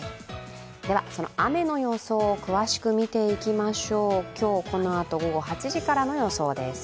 では、雨の予想を詳しく見ていきましょう、今日このあと午後８時からの予想です。